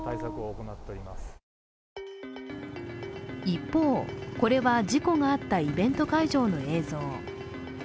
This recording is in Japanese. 一方、これは事故があったイベント会場の映像。